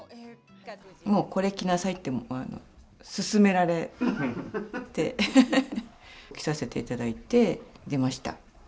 もうこれ着なさいって勧められて着させていただいて出ました。